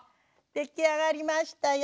出来上がりましたよ。